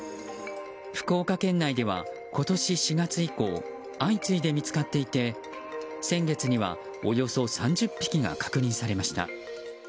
福岡県内では今年４月以降相次いで見つかっていて先月にはおよそ３０匹が確認されました。